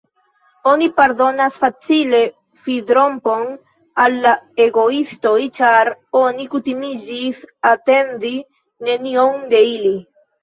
Oni pardonas facile fidrompon al la egoistoj, ĉar oni kutimiĝis atendi nenion de ili.